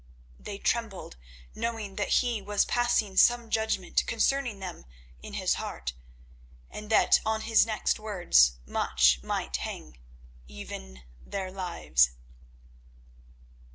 They trembled, knowing that he was passing some judgment concerning them in his heart, and that on his next words much might hang—even their lives.